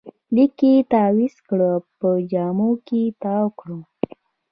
لیک یې تاویز کړ، په جامو کې تاوکړ